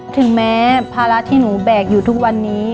ถึงแม้ภาระที่หนูแบกอยู่ทุกวันนี้